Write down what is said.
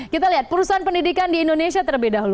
kita lihat perusahaan pendidikan di indonesia terbeda